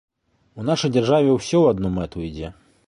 У нашай дзяржаве ўсё ў адну мэту ідзе.